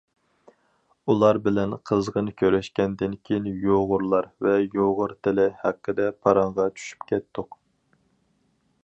ئۇلار بىلەن قىزغىن كۆرۈشكەندىن كېيىن، يۇغۇرلار ۋە يۇغۇر تىلى ھەققىدە پاراڭغا چۈشۈپ كەتتۇق.